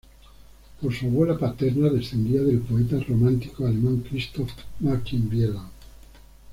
Por su abuela paterna descendía del poeta romántico alemán Christoph Martin Wieland.